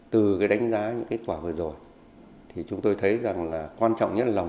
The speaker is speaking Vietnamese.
từ đánh giá những kết quả vừa rồi chúng tôi thấy rằng quan trọng nhất là lòng